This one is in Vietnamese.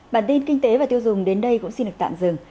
bản tin kinh tế và tiêu dùng đến đây cũng xin được tạm dừng